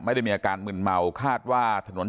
ไม่ได้มีอาการมึนเมาคาดว่าถนน